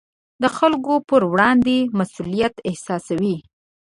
د خلکو پر وړاندې مسوولیت احساسوي.